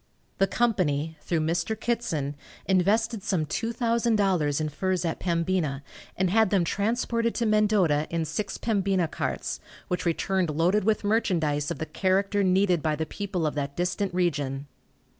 The company, through Mr. Kittson, invested some $2,000 in furs at Pembina, and had them transported to Mendota in six Pembina carts, which returned loaded with merchandise of the character needed by the people of that distant region.